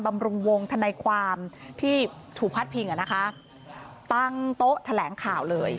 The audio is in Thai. บำรุงวงธนายความที่ถูกพัดพิงอ่ะนะคะตั้งโต๊ะแถลงข่าวเลย